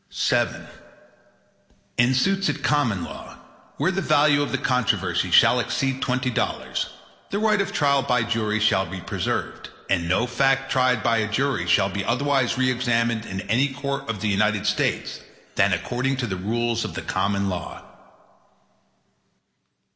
VII In suits at common law, where the value in controversy shall exceed twenty dollars, the right of trial by jury shall be preserved, and no fact tried by a jury shall be otherwise re examined in any court of the United States, than according to the rules of the common law.